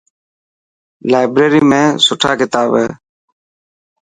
لائبريري ۾ سٺا ڪتاب هي.